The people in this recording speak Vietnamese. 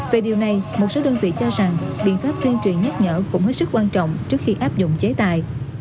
về điều này một số đơn vị cho rằng biện pháp tuyên truyền nhắc nhở cũng hết sức quan trọng trước khi áp dụng chế tài